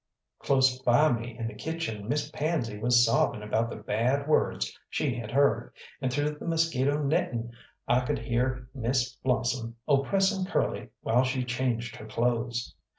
Close by me in the kitchen Miss Pansy was sobbing about the bad words she had heard, and through the mosquito netting I could hear Miss Blossom oppressing Curly while she changed her clothes.